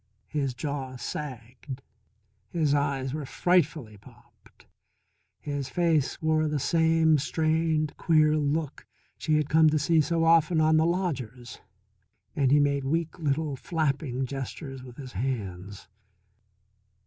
His jaw sagged, his eyes were frightfully popped, his face wore the same strained, queer look she had come to see so often on the lodger's, and he made weak little flapping gestures with his hands.